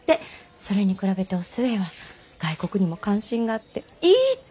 それに比べてお寿恵は外国にも関心があっていいって！